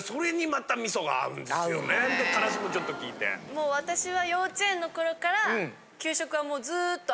もう私は。